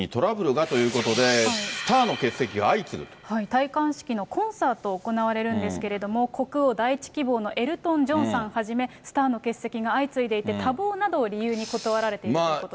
戴冠式のコンサートが行われるんですけども、国王第１希望のエルトン・ジョンさんはじめ、スターの欠席が相次いでいて、多忙などを理由に断られているということです。